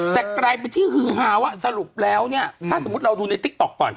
แต่กลายเป็นที่ฮือฮาว่าสรุปแล้วเนี่ยถ้าสมมุติเราดูในติ๊กต๊อกก่อน